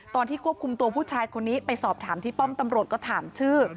ตอนที่ควบคุมตัวผู้ชายคนนี้ไปสอบถามที่ป้อมตำรวจก็ถามชื่อ